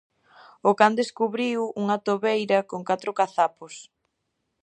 O can descubriu unha tobeira con catro cazapos.